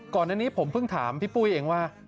ก่อนอันนี้ผมเพิ่งถามพี่ปุ้ยเองว่า